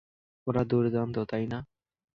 ওরা দুর্দান্ত, তাই না?